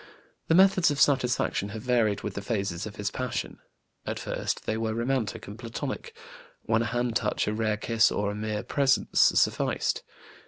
The methods of satisfaction have varied with the phases of his passion. At first they were romantic and Platonic, when a hand touch, a rare kiss, or mere presence sufficed.